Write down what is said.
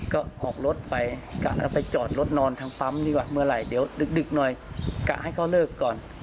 ก็ออกรถไปกะอาไปจอดรถนอนทางปั๊มดีกว่าเมื่อไหร่เดี๋ยวบันดิฉี่ย์ดึกได้กะอาให้เขาเลิกก่อน